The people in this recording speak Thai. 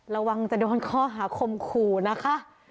ระวังจะโดนข้อหาคมขู่นะคะ